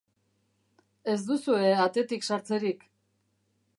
Ez duzue atetik sartzerik.